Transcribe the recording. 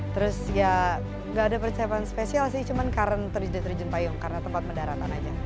terus ya nggak ada persiapan spesial sih cuma karena terjun payung karena tempat mendaratan aja